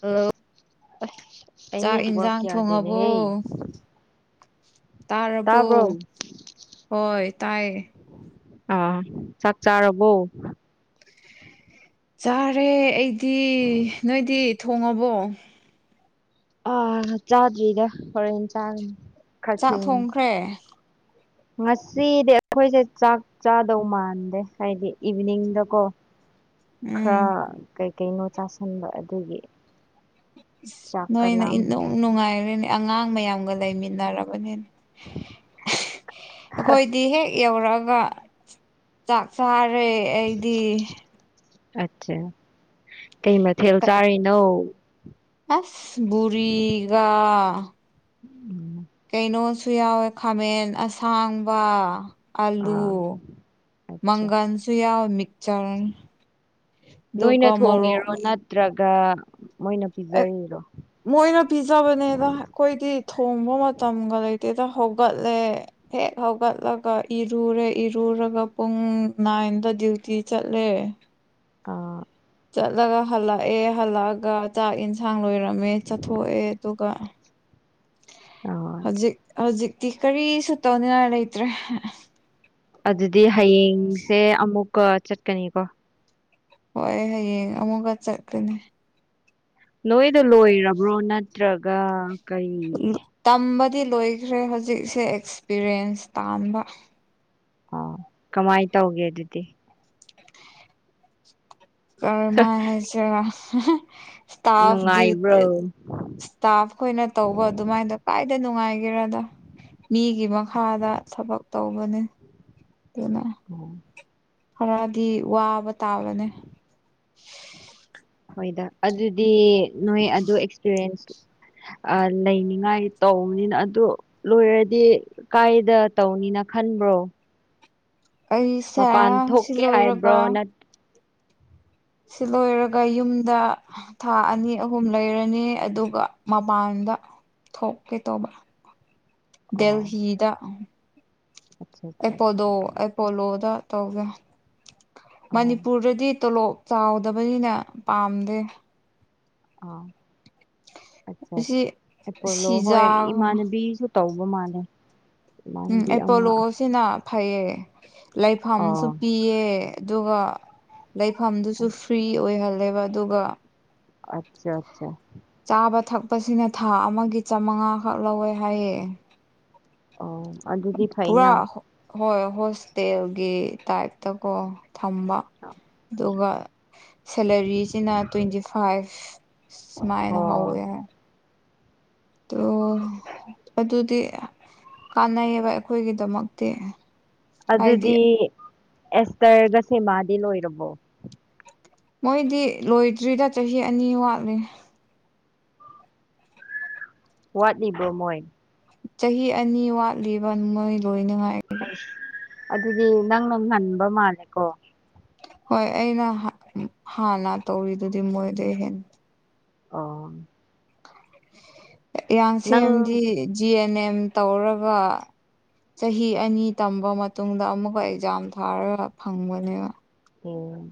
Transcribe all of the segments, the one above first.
Hello ꯑꯩ ꯆꯥꯛ network ꯌꯦꯟꯁꯥꯡ ꯊꯣꯡꯉꯕꯣ ꯌꯥꯗꯦꯅꯦꯍꯦ ꯇꯥꯔꯕꯣ ꯇꯥꯕ꯭ꯔꯣ ꯍꯣꯏ ꯇꯥꯏ ꯑ ꯆꯥꯛ ꯆꯥꯔꯕꯣ ꯆꯥꯔꯦ ꯑꯩꯗꯤ ꯗꯤ ꯅꯣꯏꯗꯤꯠ ꯊꯣꯡꯉꯕꯣ ꯑꯥ ꯆꯥꯗ꯭ꯔꯤꯗ ꯍꯣꯔꯦꯟ ꯆꯥꯔꯅꯤ ꯆꯥꯛ ꯊꯣꯡꯈ꯭ꯔꯦ ꯉꯁꯤꯗꯤ ꯑꯩꯈꯣꯏꯁꯦ ꯆꯥꯛ ꯆꯥꯗꯧ ꯃꯥꯟꯗꯦ ꯍꯥꯏꯗꯤ ꯏꯚꯅꯤꯡꯗꯀꯣ ꯍ ꯎꯝ ꯀꯩ ꯀꯩꯅꯣ ꯆꯥꯁꯟꯕ ꯑꯗꯨꯒꯤ ꯆꯥꯛꯀ ꯅꯣꯏꯅ ꯏ ꯂꯥꯝꯗꯦ ꯅꯨꯡꯉꯥꯏꯔꯦꯅꯦ ꯑꯉꯥꯡ ꯃꯌꯥꯝꯒ ꯂꯩꯃꯤꯟꯅꯔꯕꯅꯤ ꯑꯩꯈꯣꯏꯗꯤ ꯍꯦꯛ ꯌꯧꯔꯛꯑꯒ ꯆꯥꯛ ꯆꯔ ꯐꯔꯦ ꯑꯩꯗꯤ ꯑꯆꯥ ꯀꯩ ꯃꯊꯦꯜ ꯆꯥꯔꯤꯅꯣ ꯑꯁ ꯕꯨꯔꯤꯒꯥ ꯎꯝ ꯀꯩꯅꯣꯁꯨ ꯌꯥꯎꯋꯦ ꯈꯥꯃꯦꯟ ꯑꯁꯥꯡꯕ ꯑꯜꯂꯨ ꯑꯥ ꯑꯠꯆꯥ ꯃꯪꯒꯟꯁꯨ ꯌꯥꯎ ꯆꯔ ꯗꯨꯀ ꯃꯔꯔꯣ ꯇ ꯑꯦ ꯃꯣꯏꯅ ꯄꯤꯖꯕꯅꯦꯅ ꯑꯩꯈꯣꯏꯗꯤ ꯊꯣꯡꯕ ꯃꯇꯝꯒ ꯂꯩ ꯇꯦꯗ ꯍꯧꯒꯠꯂꯦ ꯍꯦꯛ ꯍꯧꯒꯠꯂꯒ ꯏꯔꯨꯔꯦ ꯏꯔꯨꯔꯒ ꯄꯨꯡ ꯅꯥꯏꯟꯗ ꯗ꯭ꯌꯨꯇꯤ ꯆꯠꯂꯦ ꯑꯥ ꯆꯠꯂꯒ ꯍꯜꯂꯛꯑꯦ ꯍꯜꯂꯛꯑꯒ ꯆꯥꯛ ꯌꯦꯟꯁꯥꯡ ꯂꯣꯏꯔ ꯃꯦ ꯆꯠꯊꯣꯛꯑꯦ ꯑꯗꯨꯒ ꯑꯥ ꯍꯧꯖꯤꯛ ꯍꯧꯖꯤꯛ ꯤ ꯀꯔꯤꯁꯨ ꯇꯧꯅꯤꯡꯉꯥꯏ ꯂꯩꯇ꯭ꯔꯦ ꯑꯗꯨ ꯑꯗꯨꯗꯤ ꯍꯌꯦꯡꯁꯦ ꯑꯃꯨꯛ ꯀꯣ ꯆꯠꯀꯅꯤ ꯀꯣ ꯍꯣꯏ ꯍꯌꯦꯡ ꯑꯃꯨꯛꯀ ꯆꯠꯀꯅꯤ ꯅꯣꯏꯗ ꯂꯣꯏꯔꯕ꯭ꯔꯣ ꯅꯠꯇ꯭ꯔꯒ ꯀ ꯀꯩ ꯗꯤ ꯂꯣꯏꯈ꯭ꯔꯦ ꯍꯧꯖꯤꯛꯁꯦ ꯑꯦꯛꯁꯄꯤꯔꯤꯟꯁ ꯇꯥꯟꯕ ꯑꯣ ꯀꯃꯥꯏꯅ ꯇꯧꯒꯦ ꯑꯗꯨꯗꯤ [unintelligible] ꯀꯔꯃꯥꯏ ꯍꯥꯏꯁꯔ ꯍ ꯏꯁꯇꯥꯐ ꯅꯨꯡꯉꯥꯏꯕ꯭ꯔꯣ ꯏꯁꯇꯥꯐ ꯈꯣꯏꯅ ꯇꯧꯕ ꯑꯗꯨꯃꯥꯏꯅꯣ ꯀꯥꯏꯗ ꯅꯨꯡꯉꯥꯏ ꯍꯥꯏꯔꯗꯣ ꯃꯤꯒꯤ ꯃꯈꯥꯗ ꯊꯕꯛ ꯇꯧꯕꯅꯦ ꯀ ꯎ ꯈꯔꯗꯤ ꯋꯥꯕ ꯇꯥꯕꯅꯤ ꯍꯣꯏꯗ ꯑꯗꯨꯗꯤ ꯅꯣꯏ ꯑꯗꯨ ꯑꯦꯛꯁꯄꯤꯔꯤꯌꯦꯟꯁ ꯂꯩꯅꯤꯉꯥꯏ ꯇꯧꯕꯅꯤꯅ ꯑꯗꯨ ꯂꯣꯏꯔꯗꯤ ꯀꯥꯏꯗ ꯇꯧꯅꯤꯅ ꯈꯟꯕ꯭ꯔꯣ ꯑꯩꯁꯦ ꯃꯄꯥꯟ ꯁꯤ ꯊꯣꯛꯀꯦ ꯂꯣꯏꯔꯕ ꯍꯥꯏꯕ꯭ꯔꯣ ꯅꯠ ꯁꯤ ꯂꯣꯏꯔꯒ ꯌꯨꯝꯗ ꯊꯥ ꯑꯅꯤ ꯑꯍꯨꯝ ꯂꯩꯔꯅꯤ ꯑꯗꯨꯒ ꯃꯄꯥꯟꯗ ꯊꯣꯛꯀꯦ ꯇꯧꯕ ꯑꯣ ꯗꯦꯜꯍꯤꯗ ꯑꯆꯥ ꯑꯆꯥ ꯑꯦꯄꯣꯗꯣ ꯑꯦꯄꯣꯂꯣꯗ ꯇꯧꯒ ꯑꯣ ꯃꯅꯤꯄꯨꯔꯗꯗꯤ ꯇꯣꯂꯣꯞ ꯆꯥꯎꯗꯕꯅꯤꯅ ꯄꯥꯝꯗꯦ ꯑ ꯑꯁꯤ ꯑꯆꯥꯂꯣ ꯁꯤꯖꯥ ꯍꯣꯏ ꯏꯃꯅꯕꯤꯁꯨ ꯇꯧꯕ ꯃꯥꯜꯂꯦ ꯎꯝ ꯏꯃꯥꯟꯅꯕꯤ ꯑꯃ ꯑꯦꯄꯣꯂꯣꯁꯤꯅ ꯐꯩꯌꯦ ꯂꯩꯐꯝꯁꯨ ꯑꯣ ꯄꯤꯌꯦ ꯑꯗꯨꯒ ꯂꯩꯐꯝꯗꯨꯁꯨ ꯐ꯭ꯔꯤ ꯑꯣꯏꯍꯜꯂ ꯂꯩꯕꯗꯨꯒ ꯑꯆꯥ ꯑꯠꯆꯥ ꯆꯥꯕ ꯊꯛꯄꯁꯤꯅ ꯊꯥ ꯑꯃꯒꯤ ꯆꯃꯉꯥꯈꯛ ꯂꯧꯋꯦ ꯍꯥꯏꯌꯦ ꯑꯣ ꯑꯗꯗꯤ ꯄꯨꯔꯥ ꯐꯥꯏꯅ ꯍꯣꯏ ꯍꯣꯁꯇꯦꯜꯒꯤ ꯇꯥꯏꯞꯇ ꯀꯣ ꯊꯝꯕ ꯑꯗꯨꯒ ꯁꯦꯂꯔꯤꯁꯤꯅ ꯇ꯭ꯋꯦꯟꯇꯤ ꯐꯥꯏꯚ ꯁꯨꯃꯥꯏꯅ ꯑꯣ ꯍꯧꯋꯦ ꯍꯥꯏ ꯑ ꯑꯗꯨꯗꯤ ꯀꯥꯟꯅꯩꯑꯌꯦꯕ ꯑꯩꯈꯣꯏꯒꯤꯗꯃꯛꯇꯤ ꯍꯥꯏꯗꯤ ꯑꯗꯨꯗꯤ ꯑꯦꯁꯇꯔꯒ ꯁꯦꯃꯥꯗꯤ ꯂꯣꯏꯔꯕꯣ ꯃꯣꯏꯗꯤ ꯂꯣꯏꯗ꯭ꯔꯤꯗ ꯆꯍꯤ ꯑꯅꯤ ꯋꯥꯠꯂꯦ ꯋꯥꯠꯅꯤꯕ ꯃꯣꯏ ꯆꯍꯤ ꯑꯅꯤ ꯋꯥꯠꯂꯤꯕ ꯅꯣꯏ ꯂꯣꯏꯅꯉꯥꯏꯔꯦ ꯑꯗꯨꯗꯤ ꯅꯪꯅ ꯉꯟꯕ ꯃꯥꯜꯂꯦꯀꯣ ꯍꯣꯏ ꯑꯩꯅ ꯍꯥꯟꯅ ꯇꯧꯔꯤꯗꯨꯗꯤ ꯃꯣꯏꯗ ꯍꯦ ꯑꯥ [unintelligible] ꯌꯥꯡꯁ ꯑꯦꯝꯗꯤ ꯖꯤ ꯑꯦꯟ ꯐꯅꯦꯝ ꯇꯧꯔꯒ ꯆꯍꯤ ꯑꯅꯤ ꯇꯝꯕ ꯃꯇꯨꯡꯗ ꯑꯃꯨꯛꯀ ꯑꯦꯛꯖꯥꯝ ꯊꯥꯔꯒ ꯐꯪꯕꯅꯦꯕ ꯑꯣꯝ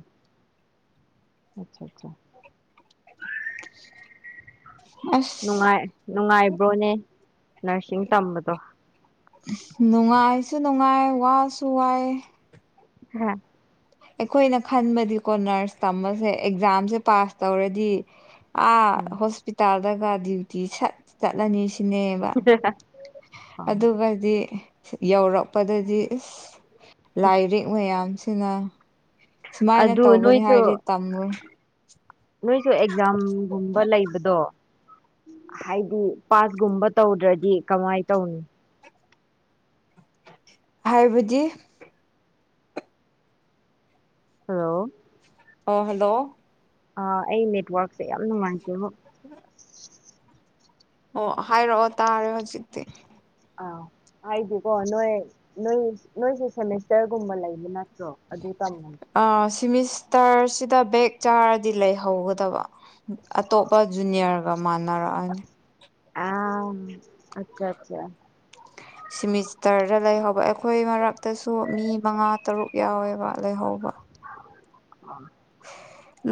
ꯑꯆꯥ ꯑꯠꯆꯥ [unintelligible] ꯑꯁ ꯅꯨꯡꯉꯥꯏ ꯅꯨꯡꯉꯥꯏꯕ꯭ꯔꯣꯅꯦ ꯅꯔꯁꯤꯡ ꯇꯝꯕꯗꯣ ꯅꯨꯡꯉꯥꯏꯁꯨ ꯅꯨꯡꯉꯥꯏ ꯋꯥꯁꯨ ꯋꯥꯏ ꯍꯥꯥ ꯑꯩꯈꯣꯏꯅ ꯈꯟꯕꯗꯤ ꯀꯣ ꯅꯔꯁ ꯇꯃꯁꯦ ꯑꯦꯛꯖꯥꯝꯁꯦ ꯄꯥꯁ ꯇꯧꯔꯗꯤ ꯑ ꯎꯝ ꯍꯣꯁꯄꯤꯇꯥꯜ ꯆꯠꯂꯒ ꯗ꯭ꯌꯨꯇꯤ ꯆꯠꯂꯅꯤ ꯁꯤꯅꯦꯕ ꯑꯣ ꯑꯗꯨꯒꯗꯤ ꯌꯧꯔꯛꯄꯗꯗꯤ ꯂꯥꯏꯔꯤꯛ ꯃꯌꯥꯝ ꯁꯤꯅ ꯁꯨꯃꯥꯏꯅ ꯑꯗꯨ ꯇꯧꯒꯅꯤ ꯅꯣꯏꯁꯨ ꯍꯥꯏꯗꯤ ꯇꯝꯃꯣꯏ ꯅꯣꯏꯁꯨ ꯑꯦꯛꯖꯥꯝꯒꯨꯝꯕ ꯂꯩꯕꯗꯣ ꯍꯥꯏꯗꯤ ꯄꯥꯁꯒꯨꯝꯕ ꯇꯧꯗ꯭ꯔꯗꯤ ꯀꯃꯥꯏ ꯇꯧꯅꯤ ꯍꯥꯏꯕꯗꯤ ꯍꯜꯂꯣ ꯑ ꯍꯜꯂꯣ ꯑ ꯑꯩ ꯅꯦꯠꯋꯔꯛꯁꯦ ꯌꯥꯝ ꯅꯨꯡꯉꯥꯏꯇꯦ ꯕꯣ [unintelligible] [inaudible] ꯑꯣ ꯍꯥꯏꯔꯛꯑꯣ ꯇꯥꯔꯦ ꯍꯣꯖꯤꯛꯇꯤ ꯑꯥ ꯍꯥꯏꯗꯤꯀꯣ ꯅꯣꯏ ꯅꯣꯏ ꯅꯣꯏꯁꯦ ꯁꯦꯃꯦꯁꯇꯔꯒꯨꯝꯕ ꯂꯩꯕ ꯅꯠꯇ꯭ꯔꯣ ꯑꯗꯨ ꯇꯝ ꯑꯥ ꯁꯤꯃꯤꯁꯇꯔꯁꯤꯗ ꯚꯦꯛ ꯆꯥꯔꯗꯤ ꯂꯩꯍꯧꯒꯗꯕ ꯑꯇꯣꯞꯄ ꯖꯨꯅꯤꯌꯔꯒ ꯃꯥꯟꯅꯔꯛꯑꯅꯤ ꯑꯥꯝ ꯑꯆꯥ ꯆꯥ ꯁꯤꯃꯤꯁꯇꯔꯗ ꯂꯩꯍꯧꯕ ꯑꯩꯈꯣꯏ ꯃꯔꯛꯇꯁꯨ ꯃꯤ ꯃꯉꯥ ꯇꯔꯨꯛ ꯌꯥꯎꯋꯦꯕ ꯂꯩꯍꯧꯕ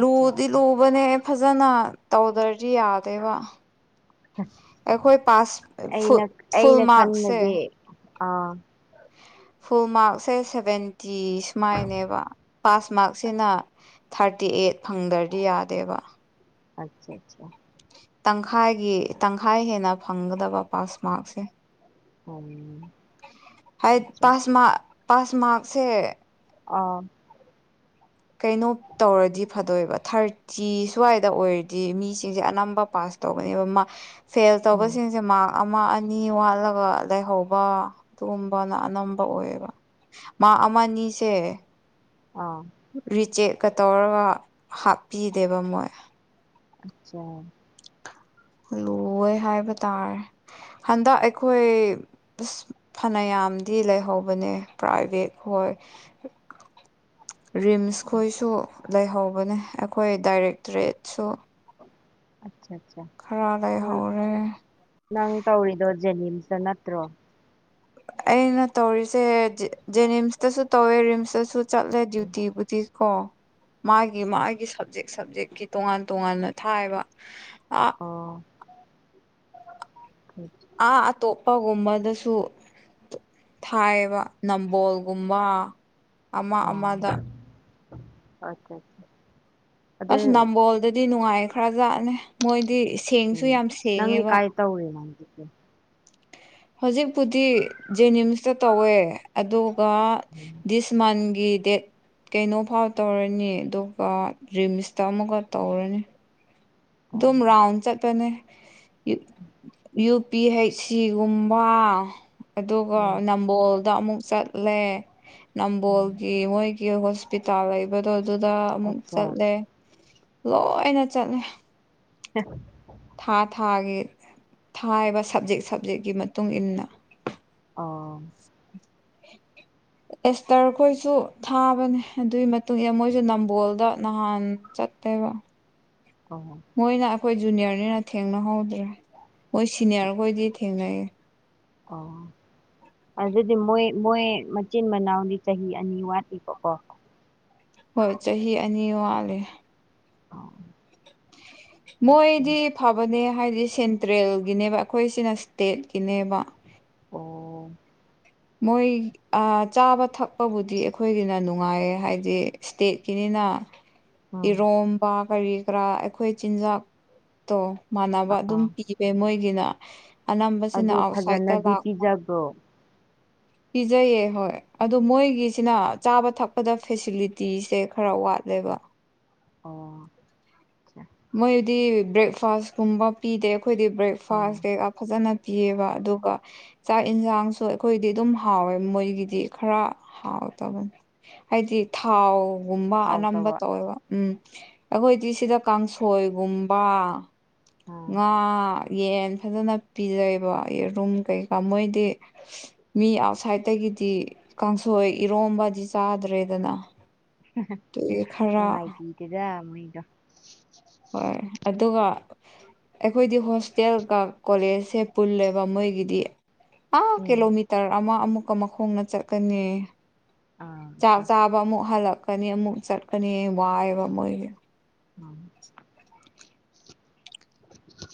ꯑꯆꯥ ꯑꯆꯥ ꯂꯨꯕꯅꯦ ꯐꯖꯅ ꯇꯧꯗꯔ ꯗꯤ ꯌꯥꯗꯦꯕ ꯑꯩꯈꯣꯏ ꯄꯥꯁ ꯐꯨꯜ ꯑꯩꯅ ꯐꯨꯜ ꯑꯩꯅ ꯃꯥꯛꯁꯦ ꯈꯟꯕꯗꯤ ꯑꯥ ꯐꯨꯜ ꯃꯥꯔꯛꯁꯦ ꯁꯚꯦꯟꯇꯤ ꯁꯨꯃꯥꯏꯅꯦꯕ ꯄꯥꯁ ꯃꯥꯛꯁꯤꯅ ꯊꯥꯔꯇꯤ ꯑꯦꯠ ꯐꯪꯗꯔꯗꯤ ꯌꯥꯗꯦꯕ ꯑꯆꯥ ꯆꯥ ꯆꯥ ꯇꯪꯈꯥꯏꯒꯤ ꯇꯪꯈꯥꯏ ꯍꯦꯟꯅ ꯐꯪꯒꯗꯕ ꯄꯥꯁ ꯃꯥꯔꯛꯁꯦ ꯎꯝ ꯍꯩꯠ ꯑꯆꯥ ꯄꯥꯁ ꯃꯥꯛ ꯄꯥꯁ ꯃꯥꯛꯁꯦ ꯑꯥ ꯀꯩꯅꯣ ꯇꯧꯔꯗꯤ ꯐꯗꯣꯏꯕ ꯊꯥꯔꯇꯤ ꯁ꯭ꯋꯥꯏꯗ ꯑꯣꯏꯔꯗꯤ ꯃꯤꯁꯤꯡꯁꯦ ꯑꯅꯝꯕ ꯄꯥꯁ ꯇꯧꯒꯅꯦꯕ ꯃꯥ ꯐꯦꯜ ꯎꯝ ꯇꯧꯕꯁꯤꯡꯖꯦ ꯃꯥ ꯑꯝ ꯃꯥ ꯑꯅꯤ ꯋꯥꯠꯂꯒ ꯂꯩꯍꯧꯕ ꯑꯗꯨꯒꯨꯝꯕꯅ ꯑꯅꯝꯕ ꯑꯣꯏꯌꯦꯕ ꯃꯥꯛ ꯑꯃ ꯅꯤꯁꯦ ꯑ ꯔꯤꯆꯦꯛꯀ ꯇꯧꯔꯒ ꯍꯥꯞꯄꯤꯗꯦꯕ ꯃꯣꯏ ꯑꯆꯥ ꯍꯨꯏ ꯂꯣꯏ ꯍꯥꯏꯕ ꯇꯥꯔꯦ ꯍꯟꯗꯛ ꯑꯩꯈꯣꯏ ꯄꯤꯁ ꯐꯅꯌꯥꯝꯗꯤ ꯂꯩꯍꯧꯕꯅꯦ ꯄ꯭ꯔꯥꯏꯚꯦꯠ ꯈꯣꯏ ꯔꯤꯝꯁ ꯈꯣꯏꯁꯨ ꯂꯩꯍꯧꯕꯅꯦ ꯑꯩꯈꯣꯏ ꯗꯥꯏꯔꯦꯛꯇꯔꯦꯠꯁꯨ ꯑ ꯑꯆꯥ ꯆꯥ ꯈꯔ ꯂꯩꯍꯧꯔꯦ ꯅꯪ ꯇꯧꯔꯤꯗꯣ ꯖꯦꯅꯤꯝꯁ ꯅꯠꯇ꯭ꯔꯣ ꯑꯩꯅ ꯇꯧꯔꯤꯁꯦ ꯖꯦ ꯖꯦꯅꯤꯝꯁꯇꯁꯨ ꯇꯧꯋꯦ ꯔꯤꯝꯁꯇꯁꯨ ꯆꯠꯂꯦ ꯗ꯭ꯌꯨꯇꯤꯕꯨꯗꯤ ꯀꯣ ꯃꯥꯒꯤ ꯃꯥꯒꯤ ꯁꯕꯖꯦꯛ ꯁꯕꯖꯦꯛꯀꯤ ꯇꯣꯉꯥꯟ ꯇꯣꯉꯥꯟꯅ ꯊꯥꯏꯌꯦꯕ ꯑ ꯑꯣ ꯑꯥ ꯑꯇꯣꯞꯄꯒꯨꯝꯕꯗꯁꯨ ꯊꯥꯏꯌꯦꯕ ꯅꯝꯕꯣꯜꯒꯨꯝꯕ ꯑꯃ ꯑꯣ ꯑꯃꯗ ꯑꯆꯥ ꯑꯆꯥ ꯆꯥ ꯑꯁ ꯅꯝꯕꯣꯜꯗꯠ ꯗꯤ ꯅꯨꯡꯉꯥꯏ ꯈꯔꯖꯥꯠꯅꯦ ꯃꯣꯏꯗꯤ ꯁꯦꯡꯁ ꯅꯪꯗꯤ ꯀꯥꯏ ꯇꯧꯔꯤ ꯅꯪ ꯎꯠꯀꯦꯝ ꯍꯣꯖꯤꯛꯄꯨꯗꯤ ꯖꯦꯅꯤꯝꯁꯇ ꯇꯧꯋꯦ ꯑꯗꯨ ꯀ ꯎꯝ ꯗꯤꯁꯃꯟꯒꯤ ꯗꯦꯠ ꯀꯦꯅꯣ ꯐꯥꯎ ꯇꯧꯔꯅꯤ ꯑꯗꯨꯒ ꯔꯤꯝꯁꯇ ꯑꯃꯨꯒ ꯇꯧꯔꯅꯤ ꯑꯣ ꯗꯨꯝ ꯔꯥꯎꯟ ꯆꯠꯄꯅꯦ ꯏꯠ ꯌꯨ ꯄꯤ ꯍꯩꯆꯁꯤ ꯁꯤꯒꯨꯝꯕ ꯑꯗꯨꯒ ꯎꯝ ꯅꯝꯕꯣꯜꯗ ꯑꯃꯨꯛ ꯆꯠꯂꯦ ꯎꯝ ꯅꯝꯕꯣꯜꯒꯤ ꯃꯣꯏꯒꯤ ꯍꯣꯁꯄꯤꯇꯥꯜ ꯂꯩꯕꯗꯣ ꯑꯗꯨꯗ ꯑꯃꯨꯛ ꯑꯆꯥ ꯆꯠꯂꯦ ꯂꯣꯏꯅ ꯆꯠꯂꯦ ꯊꯥ ꯊꯥꯒꯦ ꯊꯥꯏꯕ ꯁꯕꯖꯦꯛ ꯁꯕꯖꯦꯛꯀꯤ ꯃꯇꯨꯡ ꯏ ꯃꯇꯨꯡꯏꯟꯅ ꯑꯣ ꯑꯦꯁꯇꯔ ꯈꯣꯏꯁꯨ ꯊꯥꯕꯅꯦ ꯑꯗꯨꯒꯤ ꯃꯇꯨꯡ ꯏꯟꯅ ꯃꯣꯏꯁꯨ ꯅꯝꯕꯣꯜꯗ ꯅꯍꯥꯟ ꯆꯠꯇꯦꯕ ꯑꯣ ꯑꯩꯈꯣꯏ ꯖꯨꯅꯤꯌꯔꯅꯤꯅ ꯊꯦꯡꯅꯍꯧꯗ꯭ꯔꯦ ꯃꯣꯏ ꯁꯤꯅꯤꯌꯥꯔꯈꯣꯏꯗꯤ ꯊꯦꯡꯅꯩ ꯑꯣ ꯑꯗꯨꯗꯤ ꯃꯣꯏ ꯃꯣꯏ ꯃꯆꯤꯟ ꯃꯅꯥꯎꯗꯤ ꯆꯍꯤ ꯑꯅꯤ ꯋꯥꯠꯂꯤꯕꯀꯣ ꯍꯣꯏ ꯆꯍꯤ ꯑꯅꯤ ꯃꯥꯜꯂꯦ ꯑꯣ ꯑꯠꯆꯥ. ꯃꯣꯏꯗꯤ ꯐꯕꯅꯦ ꯍꯥꯏꯗꯤ ꯁꯦꯟꯇ꯭ꯔꯦꯜꯒꯤꯅꯦꯕ ꯑꯩꯈꯣꯏꯁꯤꯅ ꯏꯁꯇꯦꯠꯀꯤꯅꯦꯕ ꯑꯣ ꯃꯣꯏ ꯆꯥꯕ ꯊꯛꯄꯕꯨꯗꯤ ꯑꯩꯈꯣꯏꯒꯤꯅ ꯅꯨꯡꯉꯥꯏ ꯍꯥꯏꯗꯤ ꯏꯁꯇꯦꯠꯀꯤꯅꯤꯅ ꯏ ꯎꯝ ꯔꯣꯝꯕꯥ ꯀꯔꯤ ꯀꯔꯥ ꯑꯩꯈꯣꯏ ꯆꯤꯟꯖꯥꯛꯇꯣ ꯃꯥꯟꯅꯕ ꯑꯗꯨꯝ ꯄꯤꯕ ꯃꯣꯏꯒꯤꯅ ꯑꯅꯝꯝꯕꯕꯁꯤꯅ ꯑꯗꯨ ꯑꯥꯎꯠꯁꯥꯏꯠꯇ ꯐꯖꯅꯗꯤ ꯂꯥꯛꯄ ꯄꯤꯖꯕ꯭ꯔꯣ ꯄꯤꯖꯩꯌꯦꯦ ꯍꯣꯏ ꯑꯗꯨ ꯃꯣꯏꯒꯤꯁꯤꯅ ꯆꯥꯕ ꯊꯛꯄꯗ ꯐꯦꯁꯤꯂꯤꯇꯤꯁꯦ ꯈꯔ ꯋꯥꯠꯂꯦꯕ ꯑꯣ ꯃꯣꯏꯗꯤ ꯕ꯭ꯔꯦꯛꯐꯥꯁ ꯀꯨꯝꯕ ꯄꯤꯗꯦ ꯑꯩꯈꯣꯏꯗꯤ ꯑꯥ ꯕ꯭ꯔꯦꯛꯐꯥꯁ ꯀꯩꯀꯥ ꯐꯖꯅ ꯄꯤꯌꯦꯕ ꯑꯗꯨꯒ ꯆꯥꯛ ꯌꯦꯟꯁꯥꯡꯁꯨ ꯑꯩꯈꯣꯏꯗꯤ ꯑꯗꯨꯝ ꯍꯥꯎꯋꯦ ꯃꯣꯏꯒꯤꯗꯤ ꯈꯔ ꯍꯥꯎꯇꯕꯅꯤ ꯍꯥꯏꯗꯤ ꯊꯥꯎ ꯒꯨꯝꯕ ꯑꯅꯝꯕ ꯍꯥꯎꯇꯕ ꯇꯧꯋꯦꯕ ꯎꯝ ꯑ ꯍꯣꯏ ꯁꯤꯗ ꯀꯥꯡꯁꯣꯏꯒꯨꯝꯕ ꯑꯥ ꯉꯥ ꯌꯦꯟ ꯐꯖꯅ ꯄꯤꯖꯩꯑꯕ ꯌꯦꯔꯨꯝ ꯀꯩꯀꯥ ꯃꯣꯏꯗꯤ ꯃꯤ ꯑꯥꯎꯠꯁꯥꯏꯗꯠꯇꯒꯤꯗꯤ ꯀꯥꯡꯁꯣꯏ ꯏꯔꯣꯝꯕꯗꯤ ꯆꯥꯗ꯭ꯔꯦꯗꯅ ꯑꯗꯨꯒꯤ ꯈꯔ ꯅꯨꯡꯉꯥꯏꯕꯤꯗꯨꯗ ꯃꯨꯏꯗ ꯍꯣꯏ ꯑꯗꯨꯒ ꯑꯩꯈꯣꯏꯗꯤ ꯍꯣꯁꯇꯦꯜꯒ ꯀꯣꯂꯦꯖꯁꯦ ꯄꯨꯜꯂꯦꯕ ꯃꯣꯏꯒꯤꯗꯤ ꯑꯥ ꯎꯝ ꯀꯤꯂꯣꯃꯤꯇꯔ ꯑꯃ ꯑꯃꯨꯛ ꯨꯀ ꯃꯈꯣꯡꯅ ꯆꯠꯀꯅꯤ ꯑꯥ ꯆꯥꯛ ꯑꯠꯆꯥ. ꯆꯥꯕ ꯑꯃꯨꯛ ꯍꯜꯂꯛ ꯆꯀꯅꯤ ꯑꯃꯨꯛ ꯆꯠꯀꯅꯤ ꯋꯥꯏꯕ ꯃꯣꯏꯒꯤ ꯎꯝ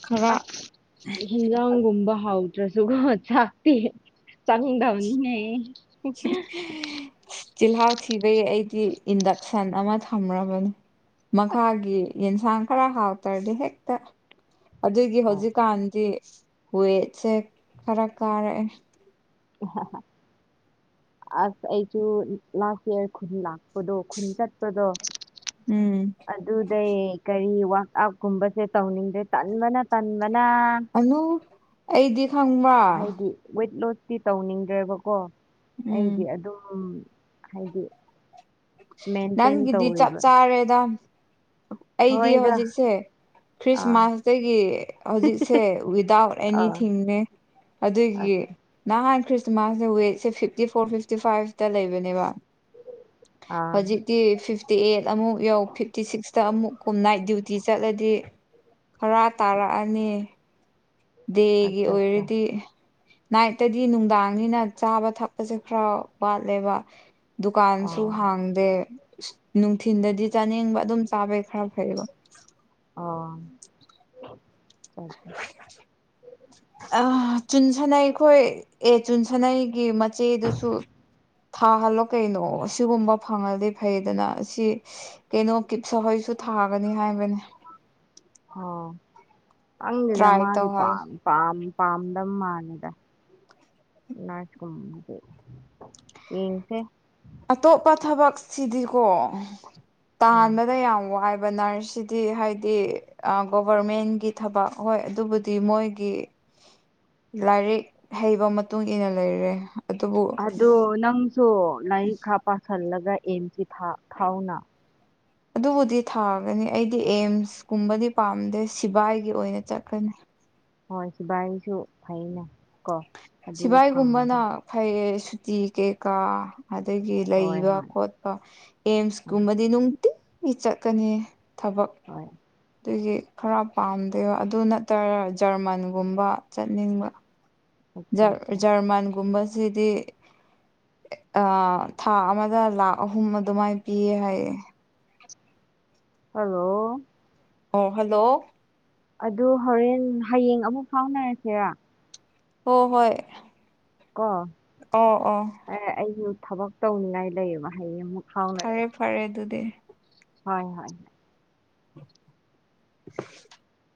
ꯈꯔ ꯑꯁ ꯍꯦꯟꯖꯥꯡꯒꯨꯝꯕ ꯍꯥꯎ ꯁꯨꯒ ꯆꯥꯛꯇꯤ ꯆꯥꯡꯗꯅꯤꯅꯦ [unintelligible] ꯆꯤꯜꯍꯥꯎ ꯊꯤꯕꯩ ꯑꯩꯗꯤ ꯏꯟꯗꯛꯁꯟ ꯑꯃ ꯊꯝꯔꯕꯅꯤ ꯃꯈꯥꯒꯤ ꯌꯦꯟꯁꯥꯡ ꯈꯔ ꯍꯥꯎꯇ꯭ꯔꯗꯤ ꯍꯦꯛꯇ ꯑꯗꯨꯒꯤ ꯑ, ꯍꯧꯖꯤꯛꯀꯥꯟꯗꯤ ꯋꯦꯠꯁꯦ ꯈꯔ ꯀꯥꯔꯛꯑꯦ ꯑꯁ ꯑꯩꯁꯨ ꯂꯥꯁ [unintelligible] ꯄꯗꯣ ꯈꯨꯟ ꯆꯠꯄꯗꯣ ꯎꯝ ꯑꯗꯨꯗꯩ ꯀꯔꯤ ꯑꯞ ꯀꯨꯝꯕꯁꯦ ꯇꯧꯅꯤꯡꯗꯦ ꯇꯟꯕꯅ ꯇꯟꯕꯅ ꯕꯅꯥ ꯑꯅꯨ ꯑꯩꯗꯤ ꯈꯪꯕ꯭ꯔꯥ ꯍꯥꯏꯗꯤ ꯋꯦꯠ ꯂꯣꯁ ꯇꯤ ꯇꯧꯅꯤꯡꯗ꯭ꯔꯦꯕꯀꯣ ꯎꯝ ꯑꯩꯗꯤ ꯑꯗꯨꯝ ꯍꯥꯏꯗꯤ ꯃꯦꯟꯇꯦꯟ ꯅꯪꯒꯤꯗꯤ ꯆꯞ ꯇꯧꯔꯦꯕ ꯆꯥꯔꯦꯗ ꯑꯩꯗꯤ ꯍꯣꯏꯗ ꯍꯧꯖꯤꯛꯁꯦ ꯑꯥ ꯈ꯭ꯔꯤꯁꯃꯥꯁꯇꯒꯤ ꯍꯧꯖꯤꯛꯁꯦ ꯋꯤꯗꯥꯎꯠ ꯑꯥ ꯑꯦꯅꯤꯊꯤꯡꯅꯦ ꯑꯗꯨꯒꯤ ꯑꯠ- ꯅꯍꯥꯟ ꯈ꯭ꯔꯤꯁ ꯃꯥ ꯋꯦꯠꯁꯦ ꯐꯤꯐꯇꯤ ꯐꯣꯔ ꯐꯤꯐꯇꯤ ꯐꯥꯏꯚꯇ ꯂꯩꯕꯅꯦꯕ ꯑꯥ ꯍꯧꯖꯤꯛꯇꯤ ꯐꯤꯐ ꯐꯤꯐꯇꯤ ꯑꯦꯠ ꯑꯃꯨꯛ ꯌꯧ ꯐꯤꯞꯇꯤ ꯁꯤꯛꯁꯇ ꯑꯃꯨꯛ ꯀꯨꯝ ꯅꯥꯏꯠ ꯗ꯭ꯌꯨꯇꯤ ꯆꯠꯂꯗꯤ ꯈꯔ ꯇꯥꯔꯛꯑꯅꯤ ꯗꯦꯒꯤ ꯑꯠꯆꯥ ꯑꯠꯆꯥ ꯑꯣꯏꯔꯗꯤ ꯅꯥꯏꯠꯇꯗꯤ ꯅꯨꯡꯗꯥꯡꯅꯤꯅ ꯆꯥꯕ ꯊꯛꯄꯁꯦ ꯈꯔ ꯋꯥꯠꯂꯦꯕ ꯗꯨꯀꯥꯟꯁꯨ ꯑꯣ ꯍꯥꯡꯗꯦ ꯅꯨꯡꯊꯤꯟꯗꯗꯤ ꯆꯥꯅꯤꯡꯕ ꯑꯗꯨꯝ ꯆꯥꯕꯩ ꯈꯔ ꯐꯩꯕ ꯑꯥ ꯑ ꯆꯨꯟꯁꯅꯩ ꯑꯈꯣꯏ ꯑꯦ ꯆꯨꯟꯁꯅꯩꯒꯤ ꯃꯆꯦꯗꯨꯁꯨ ꯊꯥꯍꯜꯂꯣ ꯀꯩꯅꯣ ꯑꯁꯤꯒꯨꯝꯕ ꯐꯪꯂꯗꯤ ꯐꯩꯗꯅ ꯑꯁꯤ ꯀꯩꯅꯣ ꯀꯤꯞꯁ ꯍꯣꯏꯁꯨ ꯊꯥꯒꯅꯤ ꯍꯥꯏꯕꯅꯤ ꯑꯣ ꯈꯪꯗꯦꯗ ꯇ꯭ꯔꯥꯏ ꯃꯥꯗꯤ ꯇꯧꯍꯜꯂꯣ ꯄꯥꯝ ꯄꯥꯝ ꯄꯥꯝꯗꯝ ꯃꯥꯜꯂꯤꯗ ꯅꯥꯇꯠ ꯀꯨꯝꯕꯁꯦ ꯌꯦꯡꯁꯦ ꯑꯇꯣꯞꯄ ꯊꯕꯛꯁꯤꯗꯤꯀꯣ ꯑꯥ ꯇꯥꯟꯕꯗ ꯌꯥꯝ ꯋꯥꯏꯕ ꯕꯅꯥꯔꯁꯤꯗꯤ ꯍꯥꯏꯗꯤ ꯒꯣꯚꯔꯃꯦꯟꯒꯤ ꯊꯕꯛ ꯍꯣꯏ ꯑꯗꯨꯕꯨꯗꯤ ꯃꯣꯏꯒꯤ ꯂꯥꯏꯔꯤꯛ ꯍꯩꯕ ꯃꯇꯨꯡ ꯏꯟꯅ ꯂꯩꯔꯦ ꯑꯗꯨꯕꯨ ꯑꯗꯣ ꯅꯪ ꯗꯣ ꯂꯥꯏꯔꯤꯛ ꯈꯥ ꯄꯥꯁꯜꯂꯣ ꯌꯦꯟꯀꯤ ꯊ ꯊꯥꯎꯅꯥ ꯑꯗꯨꯕꯨꯗꯤ ꯊꯥꯒꯅꯤ ꯑꯩꯗꯤ ꯑꯦꯝꯁꯀꯨꯝꯕꯗꯤ ꯄꯥꯝꯗꯦ ꯁꯤꯕꯥꯏꯒꯤ ꯑꯣꯏꯅ ꯆꯠꯀꯅꯤ ꯍꯣꯏ ꯁꯤꯕꯥꯏꯁꯨ ꯐꯩꯅ ꯀꯣ ꯑꯗꯨꯒ ꯁꯤꯚꯏꯒꯨꯝꯕꯅ ꯐꯪꯉꯗꯤ ꯐꯩꯌꯦ ꯁꯇꯤ ꯀꯦꯀꯥ ꯑꯗꯒꯤ ꯍꯣꯏ ꯂꯩꯕ ꯍꯣꯏ ꯈꯣꯠꯄ ꯍꯣꯏ ꯑꯦꯝꯁꯀꯨꯝꯕꯗꯤ ꯅꯨꯡꯇꯤ ꯃꯤ ꯆꯠꯀꯅꯤ ꯊꯕꯛ ꯍꯣꯏ ꯑꯗꯒꯤ ꯈꯔ ꯄꯥꯝꯗꯦꯕ ꯑꯗꯨ ꯅꯠꯇꯔ ꯖꯔꯃꯟꯒꯨꯝꯕ ꯆꯠꯅꯤꯡꯕ ꯑꯠꯆꯥ ꯑꯠꯆꯥ ꯖꯔꯃꯟꯒꯨꯝꯕ ꯑꯁꯤꯗꯤ ꯊꯥ ꯑꯃꯗ ꯂꯥꯛ ꯑꯍꯨꯝ ꯑꯗꯨꯃꯥꯏꯅ ꯄꯤꯌꯦ ꯍꯥꯏꯌꯦ ꯍꯜꯂꯣ ꯑꯣ ꯍꯜꯂꯣ ꯑꯗꯨ ꯍꯣꯔꯦꯟ ꯍꯌꯦꯡ ꯑꯃꯨꯛ ꯐꯥꯎꯅꯔꯁꯤꯦꯔꯥ ꯍ ꯍꯣꯏ ꯀꯣ ꯑꯣ ꯑꯣ ꯑꯩꯁꯨ ꯊꯕꯛ ꯇꯧꯅꯤꯡꯉꯥꯏ ꯂꯩꯌꯦꯕ ꯍꯌꯦꯡ ꯑꯃꯨꯛ ꯐꯔꯦ ꯐꯥꯎꯅꯔꯁꯤ ꯐꯔꯦ ꯑꯗꯨꯗꯤ ꯍꯣꯏ ꯍꯣꯏ [unintelligible]